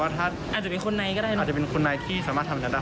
อาจจะเป็นคนในก็ได้อาจจะเป็นคนในที่สามารถทำก็ได้